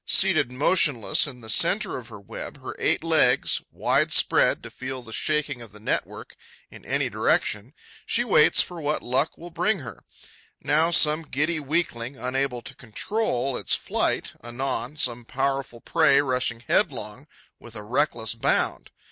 Seated motionless in the centre of her web, her eight legs wide spread to feel the shaking of the network in any direction, she waits for what luck will bring her: now some giddy weakling unable to control its flight, anon some powerful prey rushing headlong with a reckless bound.